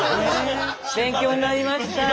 勉強になりました。